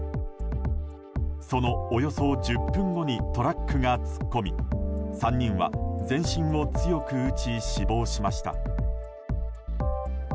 そのおよそ１０分後にトラックが突っ込み３人は全身を強く打ち死亡しました。